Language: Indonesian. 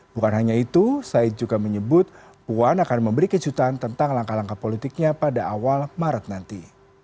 bukan hanya itu said juga menyebut puan akan memberi kejutan tentang langkah langkah politiknya pada awal maret nanti